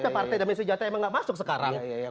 ada partai damai sejahtera emang gak masuk sekarang